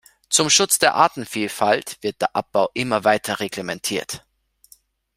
Zum Schutz der Artenvielfalt wird der Abbau immer weiter reglementiert.